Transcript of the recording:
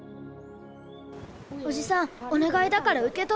おじさんおねがいだからうけとって。